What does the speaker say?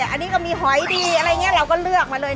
อันนี้ก็มีหอยดีอะไรอย่างนี้เราก็เลือกมาเลย